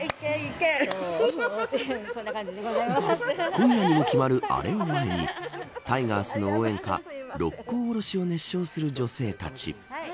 今夜にも決まるアレを前にタイガースの応援歌六甲おろしを熱唱する女性たち。